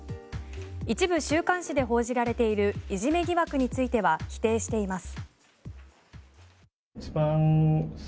一部週刊誌で報じられているいじめ疑惑については否定しています。